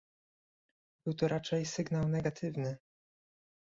Był to raczej sygnał negatywny